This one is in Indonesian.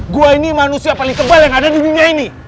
gua ini manusia paling tebal yang ada di dunia ini